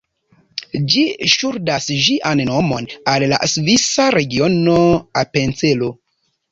Ĝi ŝuldas ĝian nomon al la svisa regiono Apencelo.